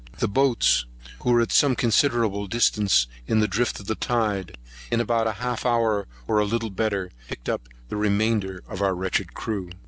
The boats, who were at some considerable distance in the drift of the tide, in about half an hour, or little better, picked up the remainder of our wretched crew.